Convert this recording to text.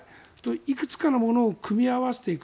いくつかのものを組み合わせていく。